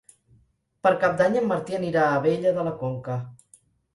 Per Cap d'Any en Martí anirà a Abella de la Conca.